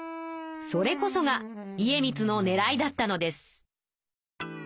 それこそが家光のねらいだったのです。